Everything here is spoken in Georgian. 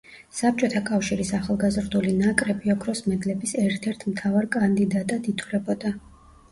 საბჭოთა კავშირის ახალგაზრდული ნაკრები ოქროს მედლების ერთ-ერთ მთავარ კანდიდატად ითვლებოდა.